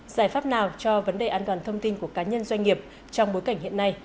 giải pháp nào cho vấn đề an toàn thông tin của cá nhân doanh nghiệp trong bối cảnh hiện nay